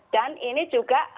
dan ini juga